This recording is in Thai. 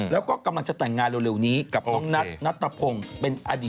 แล้วก็กำลังจะแต่งงานเร็วนี้กับนกณฑ์นั้นนัตลับพงศ์